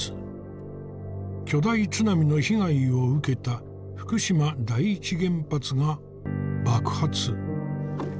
巨大津波の被害を受けた福島第一原発が爆発。